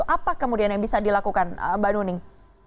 apa kemudian yang bisa dilakukan mbak nuning